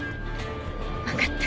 分かった。